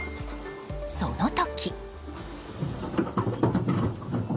その時。